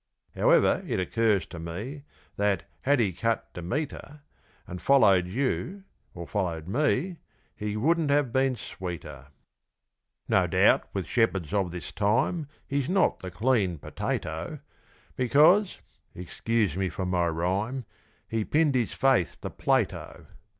However, it occurs to me That, had he cut Demeter And followed you, or followed me, He wouldn't have been sweeter. No doubt with "shepherds" of this time He's not the "clean potato", Because excuse me for my rhyme He pinned his faith to Plato.